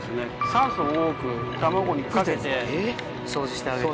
酸素を多く卵にかけて・えっ掃除してあげて。